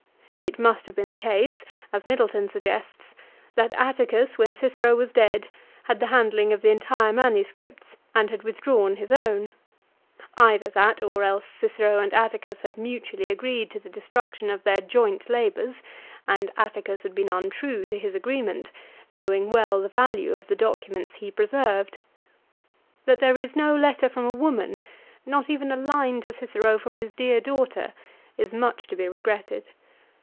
It must have been the case, as Middleton suggests, that Atticus, when Cicero was dead, had the handling of the entire MS. and had withdrawn his own ; either that or else Cicero and Atticus mutually agreed to the destruction of their joint labours and Atticus had been untrue to his agreement, knowing well the value of the documents he preserved. That there is no letter from a woman, not even a line to Cicero from his dear daughter, is much to be regretted.